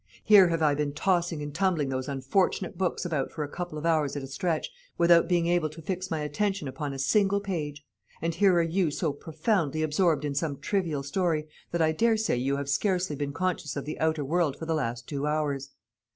Here have I been tossing and tumbling those unfortunate books about for a couple of hours at a stretch, without being able to fix my attention upon a single page; and here are you so profoundly absorbed in some trivial story, that I daresay you have scarcely been conscious of the outer world for the last two hours.